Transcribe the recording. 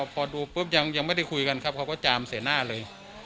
พอดูปุ๊บยังไม่ได้คุยกันครับเขาก็จามเสียหน้าเลย